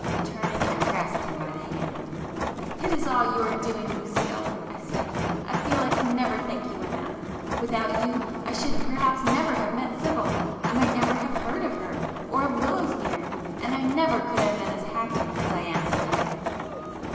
Turning, I grasped him by the hand. "It is all your doing, Lucio!" I said—"I feel I can never thank you enough! Without you I should perhaps never have met Sibyl,—I might never have heard of her, or of Willowsmere; and I never could have been as happy as I am to day!"